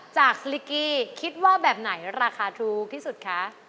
สลิกกี้คิดว่าแบบไหนราคาถูกที่สุดคะ